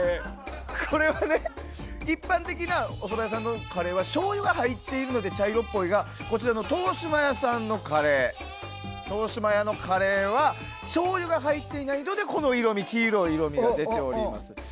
これはね、一般的なおそば屋さんのカレーはしょうゆが入っているので茶色っぽいがこちらの東嶋屋さんのカレーはしょうゆが入っていないのでこのような黄色い色味が出ています。